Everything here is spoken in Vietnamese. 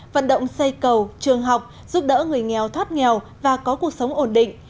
vận động xây cầu trường học giúp đỡ người nghèo thoát nghèo và có cuộc sống ổn định